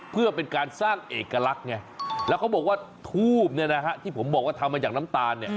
เพื่อเป็นการสร้างเอกลักษณ์ไงแล้วเขาบอกว่าทูบเนี่ยนะฮะที่ผมบอกว่าทำมาจากน้ำตาลเนี่ย